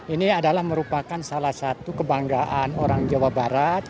ini adalah merupakan salah satu kebanggaan orang jawa barat